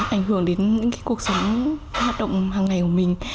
ảnh hưởng đến những cuộc sống hoạt động hằng ngày của mình